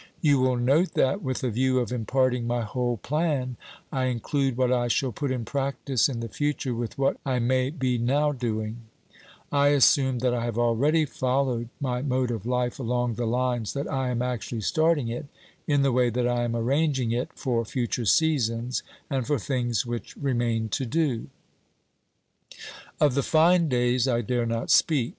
You will note that, with a view of imparting my whole plan, I include what I shall put in practice in the future with what I may be now doing; I assume that I have already followed my mode of life along the lines that I am actually starting it, in the way that I am arranging it for future seasons and for things which remain to do. Of the fine days I dare not speak.